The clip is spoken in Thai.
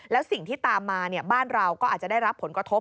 แล้วสิ่งที่ตามมาบ้านเราก็อาจจะได้รับผลกระทบ